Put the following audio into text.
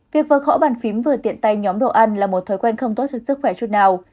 việc vỡ khỏ bàn phím vừa tiện tay nhóm đồ ăn là một thói quen không tốt cho sức khỏe chút nào